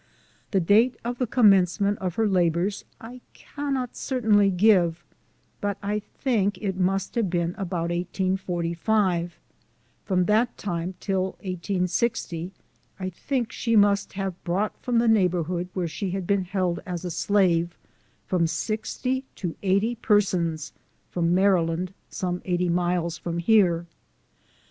The date of the commencement of her la bors, I cannot certainly give ; but I think it must have been about 1845 ; from that time till I860, I 50 SOME SCENES IN THE think she must have brought from the neighborhood where she had been held as a slave, from 60 to 80 persons, from Maryland, some 80 miles from here.